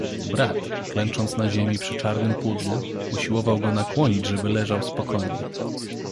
"Brat, klęcząc na ziemi przy czarnym pudlu, usiłował go nakłonić żeby leżał spokojnie."